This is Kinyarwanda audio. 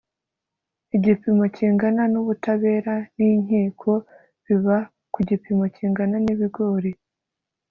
igipimo kingana n ‘ubutabera n’inkiko biba kugipimo kingana n’ibigori